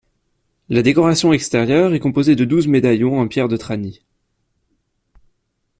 La décoration extérieure est composée de douze médaillons en pierre de Trani.